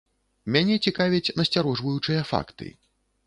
Мяне цікавяць насцярожваючыя факты.